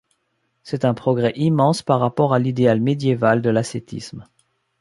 C'est un progrès immense par rapport à l'idéal médiéval de l'ascétisme.